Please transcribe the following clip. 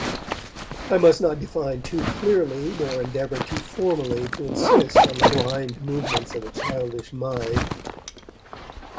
I must not define too clearly, nor endeavour too formally to insist on the blind movements of a childish mind.